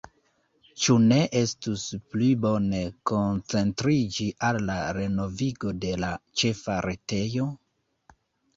Ĉu ne estus pli bone koncentriĝi al la renovigo de la ĉefa retejo?